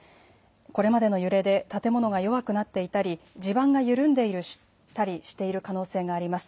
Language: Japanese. これまでの揺れで建物が弱くなっていたり、地盤が緩んでいたりしている可能性があります。